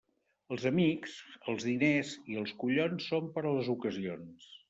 Els amics, els diners i els collons són per a les ocasions.